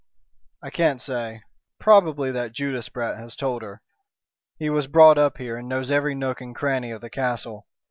"I can't say. Probably that Judas brat has told her. He was brought up here, and knows every nook and cranny of the castle.